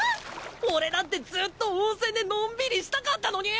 俺だってずっと温泉でのんびりしたかったのに！